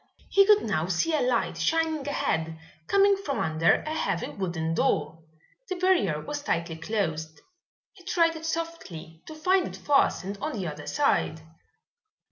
He could now see a light shining ahead, coming from under a heavy wooden door. The barrier was tightly closed. He tried it softly, to find it fastened on the other side.